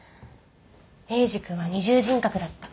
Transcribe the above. エイジ君は二重人格だった。